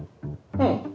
うん。